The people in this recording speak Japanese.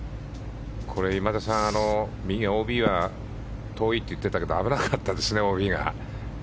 今田さん右ＯＢは遠いって言ってたけど危なかったですね、ＯＢが。